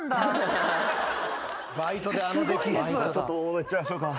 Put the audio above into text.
ちょっと大物いっちゃいましょうか。